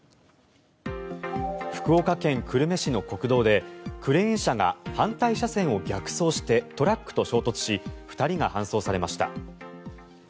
福岡県久留米市の国道でクレーン車が反対車線を逆走してトラックと衝突し２人が搬送されました。